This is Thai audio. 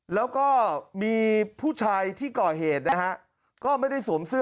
แล้วก็มีผู้ชายที่ก่อเหตุนะฮะก็ไม่ได้สวมเสื้อ